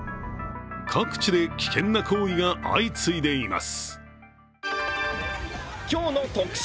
各地で危険な行為が相次いでいます。